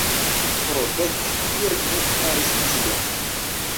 "Ho fek' kiel mi faris tion"